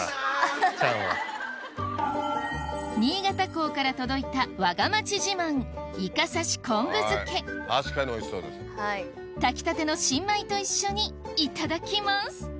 新潟港から届いた炊きたての新米と一緒にいただきます